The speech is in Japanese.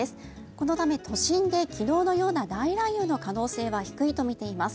このため、都心で昨日のような大雷雨の可能性は低いとみられます。